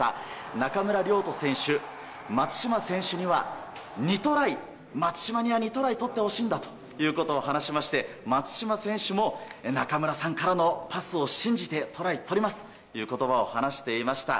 中村亮土選手は松島選手には２トライを取ってほしいんだということを話していまして松島選手も中村さんからのパスを信じてトライを取りますという言葉を話していました。